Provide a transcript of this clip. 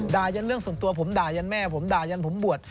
ยันเรื่องส่วนตัวผมด่ายันแม่ผมด่ายันผมบวช